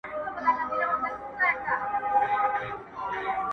o ږيره زما، اختيار ئې د قاضي غلام٫